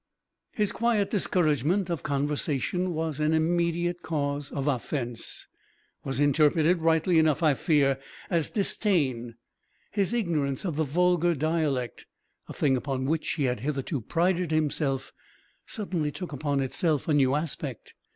His quiet discouragement of conversation was an immediate cause of offence was interpreted, rightly enough I fear, as disdain. His ignorance of the vulgar dialect, a thing upon which he had hitherto prided himself, suddenly took upon itself a new aspect.